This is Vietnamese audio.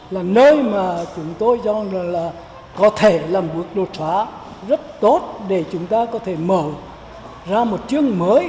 là nơi mà chúng tôi cho rằng là có thể là một đột phá rất tốt để chúng ta có thể mở ra một chương mới